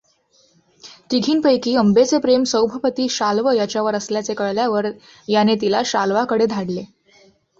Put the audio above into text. तिघींपैकी अंबेचे प्रेम सौभपती शाल्व याच्यावर असल्याचे कळल्यावर याने तिला शाल्वाकडे धाडले.